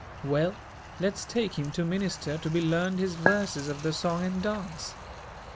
"Well, let's take him to Minister to be learned his verses of the song and dance.